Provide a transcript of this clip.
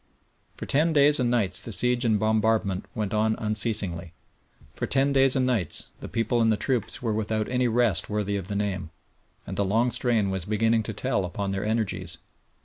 For ten days and nights the siege and bombardment went on unceasingly. For ten days and nights the people and the troops were without any rest worthy of the name, and the long strain was beginning to tell upon their energies.